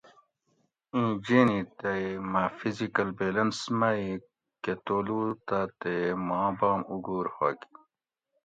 ایں جیِنی تے مہ فزیکل بیلنس می کہ تولو تہ تے ما بام اوگور ھوگ